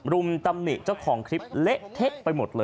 รุ่มตำนีด